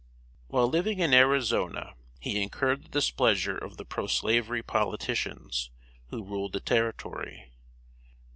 ] While living in Arizona he incurred the displeasure of the pro Slavery politicians, who ruled the territory.